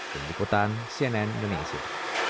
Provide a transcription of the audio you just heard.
penyimputan cnn indonesia